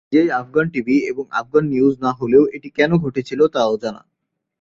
চ্যানেলটি নিজেই Afghan TV এবং আফগান নিউজ না হলেও এটি কেন ঘটেছিল তা অজানা।